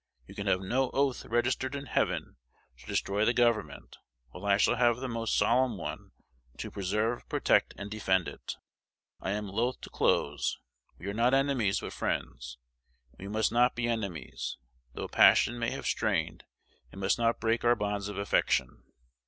You can have no oath registered in heaven to destroy the Government; while I shall have the most solemn one to "preserve, protect, and defend" it. I am loah to close. We are not enemies, but friends. We must not be enemies. Though passion may have strained, it must not break our bonds of affection.